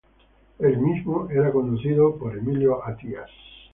El mismo era conducido por Emilia Attias.